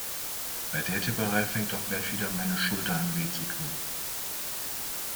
Bei der Tipperei fängt doch gleich wieder meine Schulter an weh zu tun.